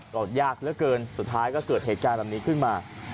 ก็ยากเหลือเกินสุดท้ายก็เกิดเหตุการณ์แบบนี้ขึ้นมา